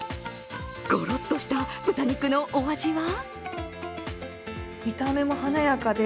ごろっとした、豚肉のお味は？